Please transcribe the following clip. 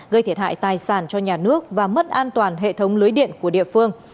gây thiệt hại tài sản cho nhà nước và mất an toàn hệ thống lưới điện của địa phương